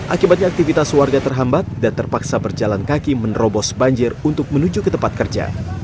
akibatnya aktivitas warga terhambat dan terpaksa berjalan kaki menerobos banjir untuk menuju ke tempat kerja